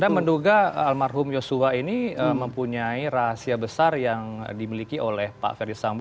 karena menduga almarhum yosua ini mempunyai rahasia besar yang dimiliki oleh pak perdisambu